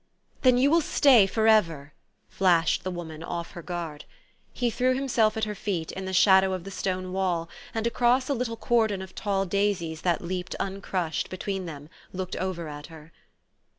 "Then you will stay forever!" flashed the wo man, off her guard. He threw himself at her feet, in the shadow of the stone wall, and, across a little cordon of tall daisies that leaped uncrushed between them, looked over at her.